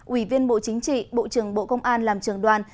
ủy viên bộ chính trị bộ trưởng bộ công an làm trường đoàn